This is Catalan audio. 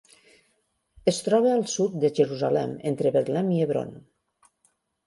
Es troba al sud de Jerusalem, entre Betlem i Hebron.